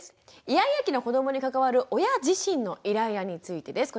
イヤイヤ期の子どもに関わる親自身のイライラについてです。